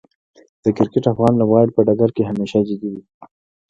د کرکټ افغان لوبغاړي په ډګر کې همیشه جدي دي.